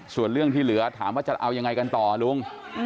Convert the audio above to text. ส่วนเรื่องที่เหลือถามว่าจะเอายังไงกันต่อลุง